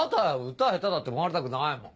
歌下手だって思われたくないもん。